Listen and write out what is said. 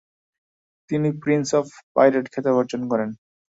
তিনি prince of pirate খেতাব অর্জন করেন।